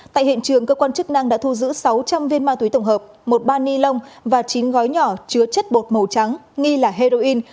tại hiện trường cơ quan chức năng đã thu giữ sáu trăm linh viên ma túy tổng hợp một bao ni lông và chín gói nhỏ chứa chất bột màu trắng nghi là heroin